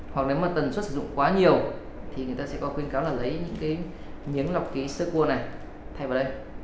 hoặc nếu tần suất sử dụng quá nhiều thì người ta sẽ có khuyến cáo lấy những miếng lọc khí sơ cua này thay vào đây